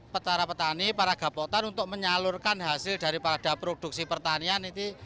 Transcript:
petara petani para gapotan untuk menyalurkan hasil daripada produksi pertanian ini